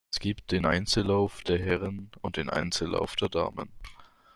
Es gibt den Einzellauf der Herren und den Einzellauf der Damen.